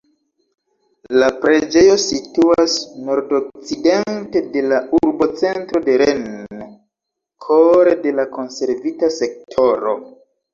La preĝejo situas nordokcidente de la urbocentro de Rennes, kore de la konservita sektoro.